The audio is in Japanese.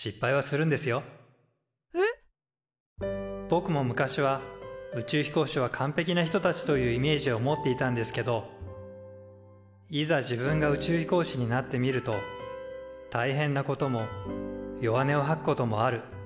ぼくも昔は宇宙飛行士はかんぺきな人たちというイメージを持っていたんですけどいざ自分が宇宙飛行士になってみると大変なことも弱音をはくこともある。